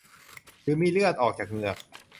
หรือมีเลือดออกจากเหงือก